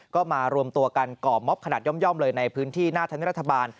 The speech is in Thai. ก็มารวมตัวกันก่อม็อบขนาดย่อมเลยในพื้นที่หน้าธรรมเนียรัฐบาล